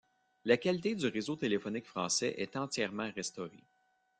La qualité du réseau téléphonique français est entièrement restaurée.